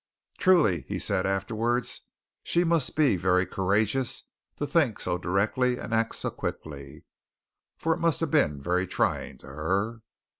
Truly he said afterwards she must be very courageous to think so directly and act so quickly, for it must have been very trying to her.